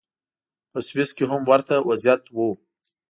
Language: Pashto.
په سویس کې هم ورته وضعیت و.